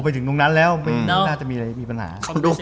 ไปถึงตรงนั้นแล้วไม่น่าจะมีอะไรมีปัญหา